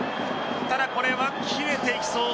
ただ、これは切れていきそう。